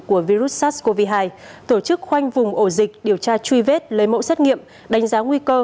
của virus sars cov hai tổ chức khoanh vùng ổ dịch điều tra truy vết lấy mẫu xét nghiệm đánh giá nguy cơ